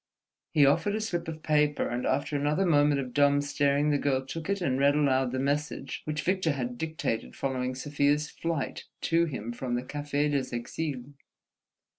He offered a slip of paper, and after another moment of dumb staring, the girl took it and read aloud the message which Victor had dictated following Sofia's flight to him from the Café des Exiles.